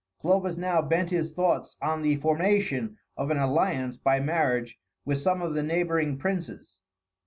Clovis now bent his thoughts on the formation of an alliance by marriage with some of the neighboring princes.